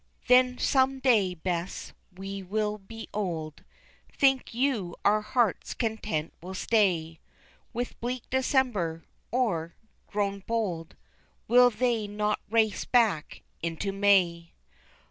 Then some day, Bess, we will be old, Think you our hearts content will stay With bleak December, or, grown bold, Will they not race back into May?